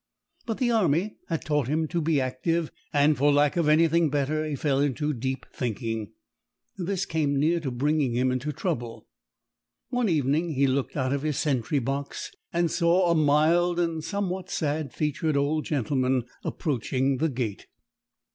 But the army had taught him to be active, and for lack of anything better he fell into deep thinking. This came near to bringing him into trouble. One evening he looked out of his sentry box and saw a mild and somewhat sad featured old gentleman approaching the gate.